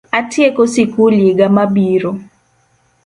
Atieko sikul yiga mabiro